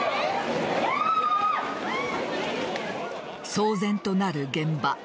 騒然となる現場。